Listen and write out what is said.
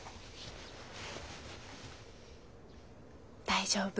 大丈夫。